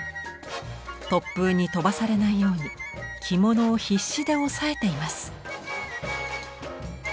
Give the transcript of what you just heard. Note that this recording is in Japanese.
突風に飛ばされないように着物を必死で押さえています。